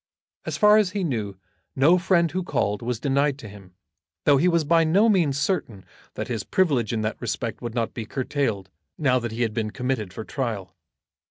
As far as he knew no friend who called was denied to him, though he was by no means certain that his privilege in that respect would not be curtailed now that he had been committed for trial.